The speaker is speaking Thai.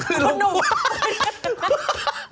คือหนู